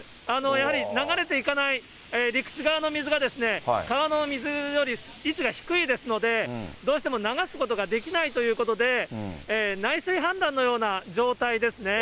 やはり流れていかない、陸地側の水が川の水より位置が低いですので、どうしても流すことができないということで、内水氾濫のような状態ですね。